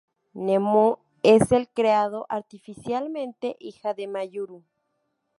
Nemu es el creado artificialmente "hija" de Mayuri.